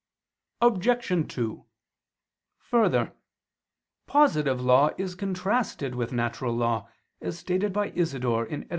Obj. 2: Further, positive law is contrasted with natural law, as stated by Isidore (Etym.